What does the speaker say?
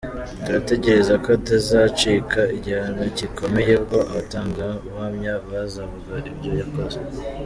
Turatekereza ko atazacika igihano gikomeye ubwo abatangabuhamya bazavuga ibyo yakoze.